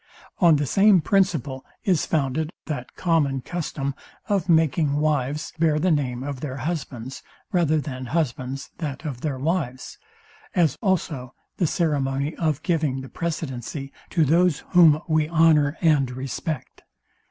On the same principle is founded that common custom of making wives bear the name of their husbands, rather than husbands that of their wives; as also the ceremony of giving the precedency to those, whom we honour and respect.